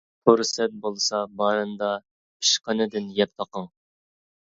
پۇرسەت بولسا بارىندا پىشقىنىدىن يەپ بېقىڭ.